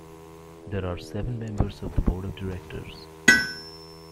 There are seven members of the board of directors.